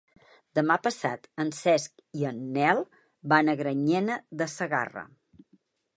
Demà passat en Cesc i en Nel van a Granyena de Segarra.